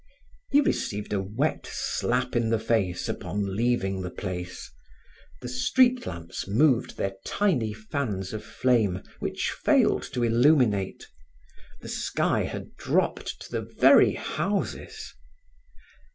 He received a wet slap in the face upon leaving the place. The street lamps moved their tiny fans of flame which failed to illuminate; the sky had dropped to the very houses.